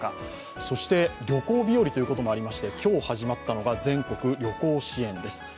そして旅行日和ということもありまして今日始まったのが全国旅行支援です。